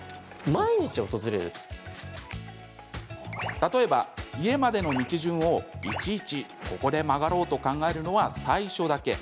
例えば、家までの道順をいちいち、ここで曲がろうと考えるのは最初だけ。